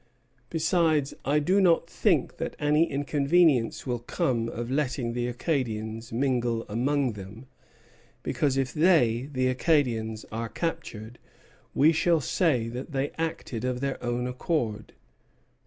Besides, I do not think that any inconvenience will come of letting the Acadians mingle among them, because if they [the Acadians] are captured, we shall say that they acted of their own accord."